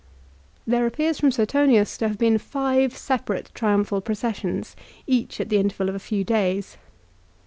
There appears from Suetonius to have been five separate triumphal processions, each at the interval of a few days.